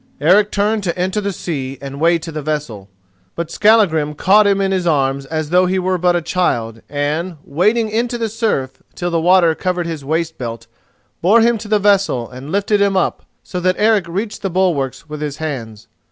Eric turned to enter the sea and wade to the vessel, but Skallagrim caught him in his arms as though he were but a child, and, wading into the surf till the water covered his waistbelt, bore him to the vessel and lifted him up so that Eric reached the bulwarks with his hands.